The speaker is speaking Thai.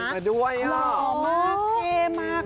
หล่อมากเท่มาก